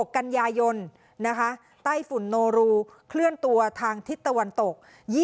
กันยายนใต้ฝุ่นโนรูเคลื่อนตัวทางทิศตะวันตก